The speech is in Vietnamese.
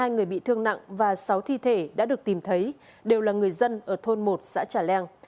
hai người bị thương nặng và sáu thi thể đã được tìm thấy đều là người dân ở thôn một xã trà leng